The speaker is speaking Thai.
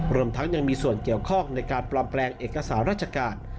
รวมทั้งยังมีส่วนเกี่ยวข้องในการปลอมแปลงเอกสารราชการ